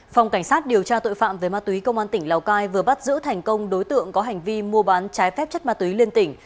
phòng cảnh sát điều tra tội phạm về ma túy công an tỉnh lào cai vừa bắt giữ thành công đối tượng có hành vi mua bán trái phép chất ma túy liên tỉnh